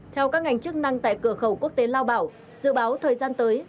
theo các ngành chức năng tại cửa khẩu quốc tế lao bảo dự báo thời gian tới